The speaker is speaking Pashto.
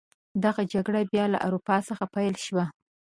دغه جګړه بیا له اروپا څخه پیل شوه.